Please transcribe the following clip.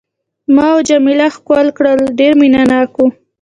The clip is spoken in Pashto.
ما او جميله ښکل کړل، ډېر مینه ناک وو.